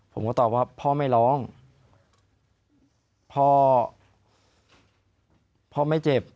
ผมก็ตอบว่าพ่อไม่ร้องพ่อพ่อไม่เจ็บ